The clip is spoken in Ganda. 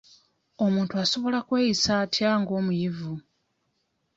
Omuntu asobola kweyisa atya ng'omuyivu?